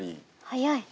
早い。